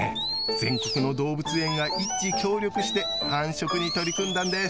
全国の動物園が一致協力して繁殖に取り組んだんです。